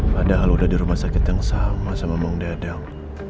padahal udah di rumah sakit yang sama sama bang dadang